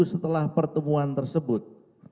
setelah pertemuan tersebut